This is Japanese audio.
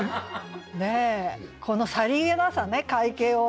このさりげなさね会計をね